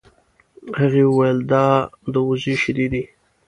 هغې وویل دا د وزې شیدې دي.